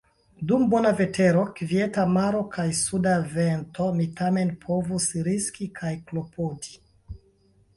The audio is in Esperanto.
Dum bona vetero, kvieta maro kaj suda vento mi tamen povus riski kaj klopodi.